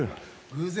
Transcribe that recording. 偶然？